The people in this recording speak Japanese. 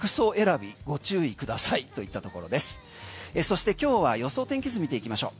そして今日は予想天気図見ていきましょう。